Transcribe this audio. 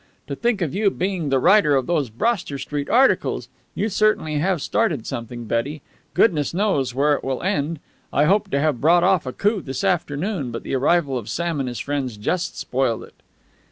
To think of you being the writer of those Broster Street articles! You certainly have started something, Betty! Goodness knows where it will end. I hoped to have brought off a coup this afternoon, but the arrival of Sam and his friends just spoiled it."